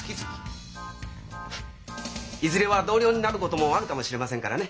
いずれは同僚になることもあるかもしれませんからね